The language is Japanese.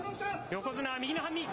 横綱、右の半身。